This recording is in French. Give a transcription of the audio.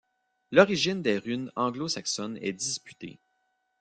L’origine des runes anglo-saxonnes est disputée.